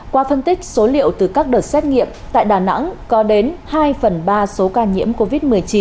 qua phân tích số liệu từ các đợt xét nghiệm tại đà nẵng có đến hai phần ba số ca nhiễm covid một mươi chín